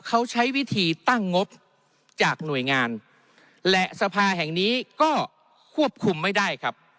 เขาใช้วิธีตั้งงบจากหน่วยงานและสภาแห่งนี้ก็ควบคุมไม่ได้ครับ